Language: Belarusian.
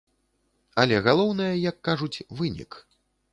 Але галоўнае, як кажуць, вынік.